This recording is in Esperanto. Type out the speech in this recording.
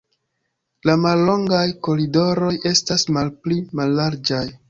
La mallongaj koridoroj estas malpli mallarĝaj.